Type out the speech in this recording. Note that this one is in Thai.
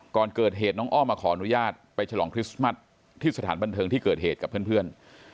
ก่อนเกิดเหตุน้องอ้อมมาขออนุญาตไปฉลองคริสต์มัสที่สถานบันเทิงที่เกิดเหตุกับเพื่อน